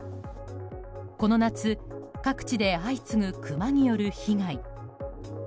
この夏、各地で相次ぐクマによる被害。